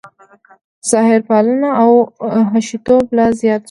ظاهرپالنه او حشویتوب لا زیات شو.